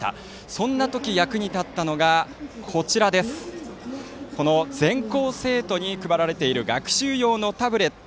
そんな時、役に立ったのが全校生徒に配られている学習用のタブレット。